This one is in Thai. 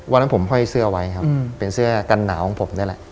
วันนั้นผมห้อยเสื้อไว้ครับเป็นเสื้อกันหนาวของผมนี่แหละ